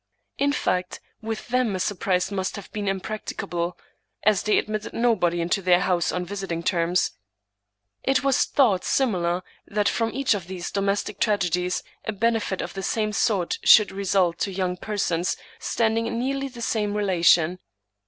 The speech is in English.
In fact, with them a surprise must have been impracticable, as they ad mitted nobody into their house on visiting terms. It was thought singular that from each of these domestic tragedies a benefit of the same sort should result to young persons standing in nearly the same relation.